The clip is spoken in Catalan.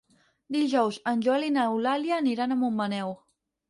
Dijous en Joel i n'Eulàlia aniran a Montmaneu.